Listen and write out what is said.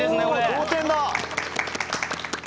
同点だ！